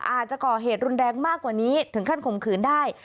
อาจจะก่อเหตุรุนแรงมากกว่านี้ถึงขั้นข่มขืนได้